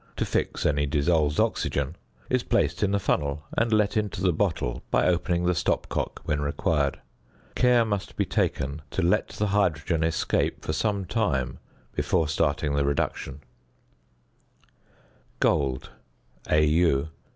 to fix any dissolved oxygen, is placed in the funnel, and let into the bottle by opening the stopcock when required. Care must be taken to let the hydrogen escape for some time before starting the reduction. [Illustration: FIG. 33.] ~Gold~, Au.